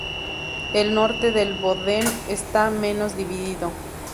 El norte del "bodden" está menos dividido.